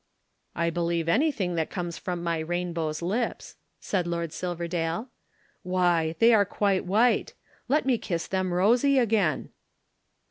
"I believe anything that comes from my Rainbow's lips," said Lord Silverdale. "Why, they are quite white! Let me kiss them rosy again."